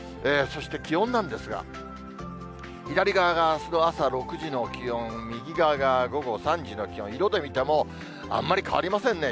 そして、気温なんですが、左側があすの朝６時の気温、右側が午後３時の気温、色で見ても、あんまり変わりませんね。